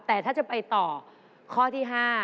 แต่ถ้าจะไปต่อข้อที่๕